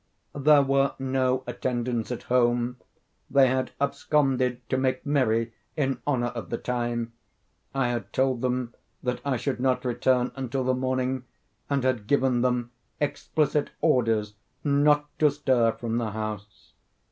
There were no attendants at home; they had absconded to make merry in honor of the time. I had told them that I should not return until the morning, and had given them explicit orders not to stir from the house.